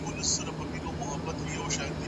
علمي مرکزونه بايد حمايه سي.